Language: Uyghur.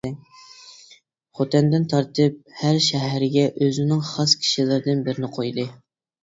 خوتەندىن تارتىپ ھەر شەھەرگە ئۆزىنىڭ خاس كىشىلىرىدىن بىرنى قويدى.